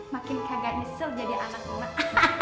makin kagak nyesel jadi anak anak